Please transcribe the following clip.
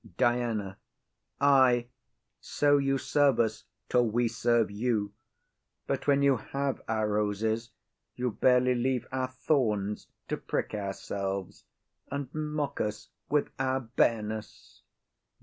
DIANA. Ay, so you serve us Till we serve you; but when you have our roses, You barely leave our thorns to prick ourselves, And mock us with our bareness.